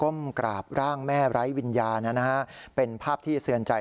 ้มกราบร่างแม่ไร้วิญญาณนะฮะเป็นภาพที่เตือนใจ